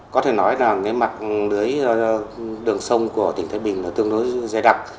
có thể nói là mặt đường sông của tỉnh thái bình tương đối dây đặc